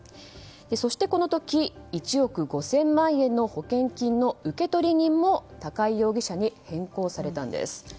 そしてこの時１億５０００万円の保険金の受取人も高井容疑者に変更されたんです。